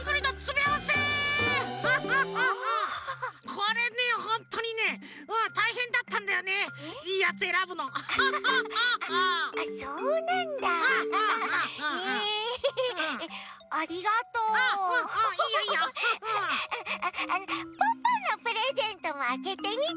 あっあのポッポのプレゼントもあけてみて。